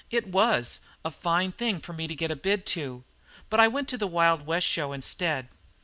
It was a fine thing for me to get a bid to; but I went to the Wild West show instead.